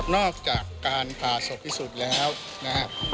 อกจากการผ่าศพพิสูจน์แล้วนะครับ